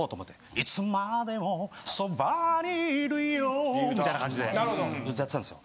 いつまでもそばにいるよみたいな感じでずっとやってたんですよ。